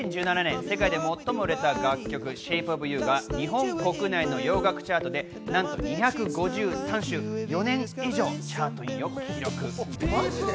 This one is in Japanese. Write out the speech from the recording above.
２０１７年、世界で最も売れた楽曲『ＳｈａｐｅＯｆＹｏｕ』を日本国内の洋楽チャートでななんと２５３週、４年以上チャートインを記録。